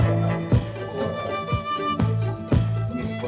jangan lupa jangan lupa jangan lupa